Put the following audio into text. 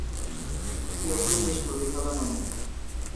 কেউ কেউ বেশ প্রতিভাবানও।